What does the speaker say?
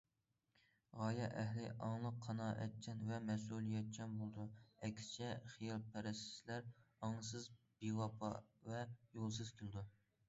غايە ئەھلى ئاڭلىق، قانائەتچان ۋە مەسئۇلىيەتچان بولىدۇ، ئەكسىچە، خىيالپەرەسلەر ئاڭسىز، بىۋاپا ۋە يولسىز كېلىدۇ.